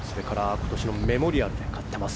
今年のメモリアルで勝っています。